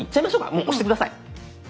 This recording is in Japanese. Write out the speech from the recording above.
もう押して下さい。